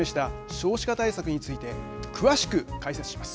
少子化対策について詳しく解説します。